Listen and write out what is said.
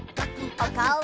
おかおを！